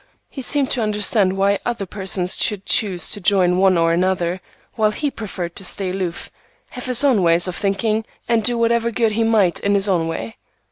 He seemed to understand why other persons should choose to join one or another, while he preferred to stand aloof, have his own ways of thinking, and do whatever good he might in his own way.